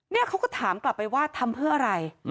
เขาก็ถามกลับไปว่าทำเพื่ออะไร